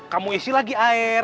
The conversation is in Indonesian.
kamu isi lagi air